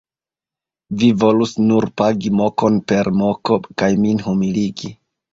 Vi volus nur pagi mokon per moko kaj min humiligi.